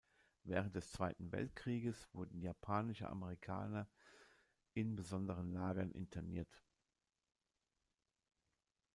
Während des Zweiten Weltkrieges wurden japanische Amerikaner in besonderen Lagern interniert.